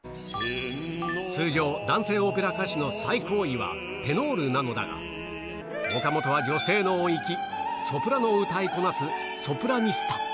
通常、男性オペラ歌手の最高位はテノールなのだが、岡本は女性の音域、ソプラノを歌いこなす、ソプラニスタ。